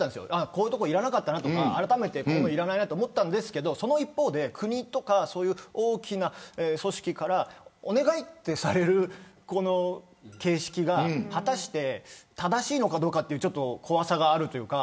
こういうところいらなかったなとかあらためて思ったんですけどその一方で国とか大きな組織からお願いってされるこの形式が、果たして正しいのかどうかという怖さがあるというか。